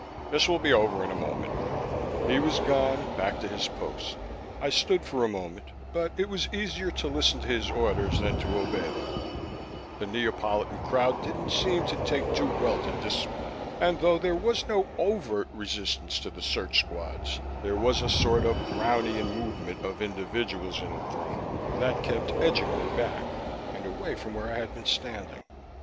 "This will be over in a moment." He was gone, back to his post. I stood for a moment, but it was easier to listen to his orders than to obey them; the Neapolitan crowd didn't seem to take too well to discipline, and though there was no overt resistance to the search squads, there was a sort of Brownian movement of individuals in the throng that kept edging me back and away from where I had been standing.